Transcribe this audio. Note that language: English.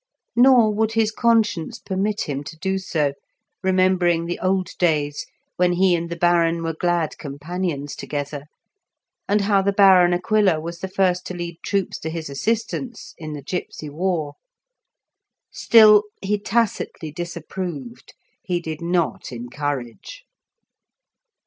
Nor would his conscience permit him to do so, remembering the old days when he and the Baron were glad companions together, and how the Baron Aquila was the first to lead troops to his assistance in the gipsy war. Still, he tacitly disapproved; he did not encourage.